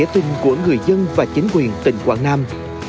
tỉnh quảng nam